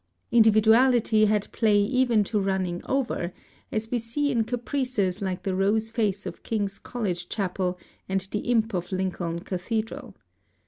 Individuality had play even to running over, as we see in caprices like the rose face of King's College Qiapel and the Imp of Lincoln Cathedral.